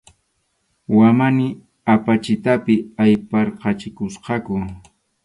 Wamani apachitapi ayparqachikusqaku.